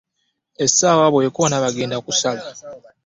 Essaawa bw'ekoona mba ŋŋenda kusaala.